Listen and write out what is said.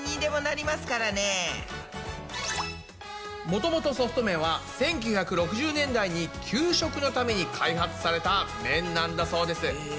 もともとソフト麺は１９６０年代に給食のために開発された麺なんだそうです。